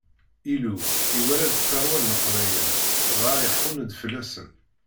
Illu iwala-d tarwa n Leqbayel, dɣa iḥunn-d fell-asen.